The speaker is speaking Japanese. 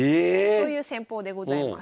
そういう戦法でございます。